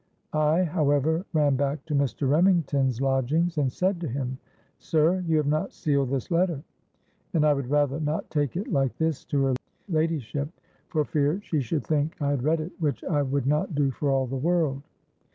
I however ran back to Mr. Remington's lodgings, and said to him, 'Sir, you have not sealed this letter; and I would rather not take it like this to her ladyship, for fear she should think I had read it, which I would not do for all the world.'